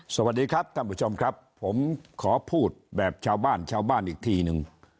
สวัสดีครับท่านผู้ชมครับผมขอพูดแบบชาวบ้านชาวบ้านอีกทีนึง